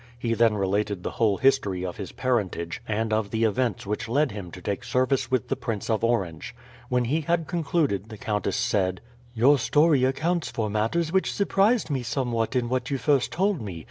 He then related the whole history of his parentage, and of the events which led him to take service with the Prince of Orange. When he had concluded the countess said: "Your story accounts for matters which surprised me somewhat in what you first told me.